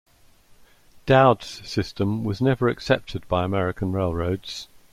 Dowd's system was never accepted by American railroads.